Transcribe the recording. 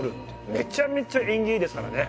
めちゃめちゃ縁起いいですからね。